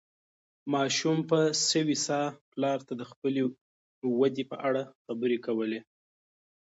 ماشوم په سوې ساه پلار ته د خپلې ودې په اړه خبرې کولې.